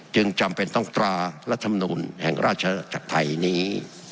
จึงจำเป็นต้องตรารัฐธรรมนุนแห่งราชาธรรมไทยนี้